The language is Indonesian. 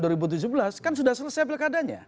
dua ribu tujuh belas kan sudah selesai pilkadanya